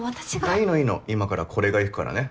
あっいいのいいの今からこれが行くからね